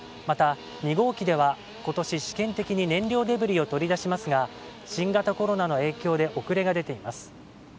また、２号機では今年、試験的に燃料デブリを取り出しますが新型コロナの影響で遅れが出ています。